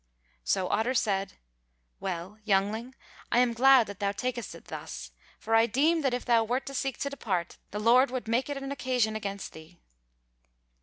So Otter said: "Well, youngling, I am glad that thou takest it thus, for I deem that if thou wert to seek to depart, the Lord would make it an occasion against thee."